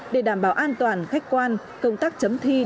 để đảm bảo an toàn khách quan công tác chấm thi